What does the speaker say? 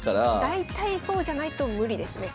大体そうじゃないと無理ですね。